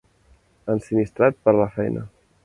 Ensinistrat per a la feina.